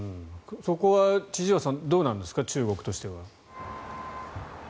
そこは千々岩さんどうなんですか、中国としては。